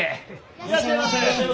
いらっしゃいませ！